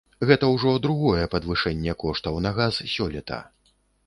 Гэта ўжо другое падвышэнне коштаў на газ сёлета.